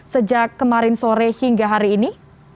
sejak kemarin sore hingga hari ini